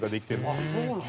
あっそうなんや。